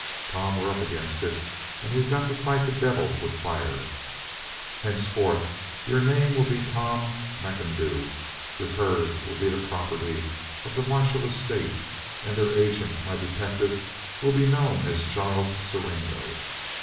Tom, we're up against it, and we've got to fight the devil with fire. Henceforth your name will be Tom McIndoo, your herd will be the property of the Marshall estate, and their agent, my detective, will be known as Charles Siringo.